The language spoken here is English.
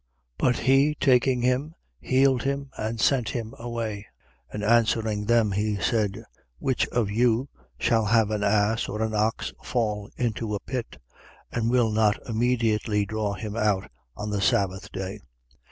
But he taking him, healed him and sent him away. 14:5. And answering them, he said: Which of you shall have an ass or an ox fall into a pit and will not immediately draw him out, on the sabbath day?